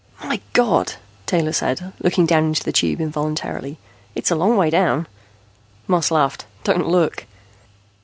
"My God!" Taylor said, looking down the Tube involuntarily. "It's a long way down." Moss laughed. "Don't look."